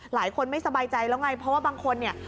หลายคนไม่สบายใจแล้วไงเพราะว่าบางคนเนี่ย